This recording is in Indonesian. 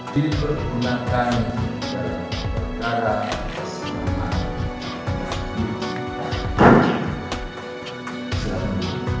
diri bergumatkan dari perkaran keselamatan